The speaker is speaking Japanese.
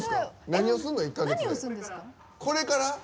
これから？